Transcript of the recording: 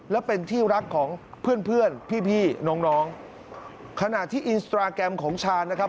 และเป็นที่รักของเพื่อนเพื่อนพี่น้องน้องขณะที่อินสตราแกรมของชาญนะครับ